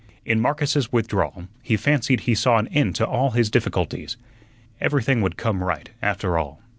In Marcus's withdrawal he fancied he saw an end to all his difficulties. Everything would come right, after all.